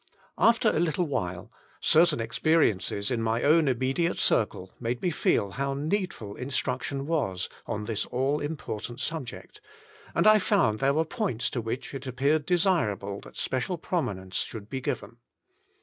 After a little while, certain experiences in my own imme diate circle made me feel how needful instruction was on this all important subject, and I found there were points to which it appeared desirable that special prominence should be given.